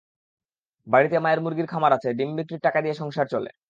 বাড়িতে মায়ের মুরগির খামার আছে, ডিম বিক্রির টাকা দিয়ে সংসার চলে।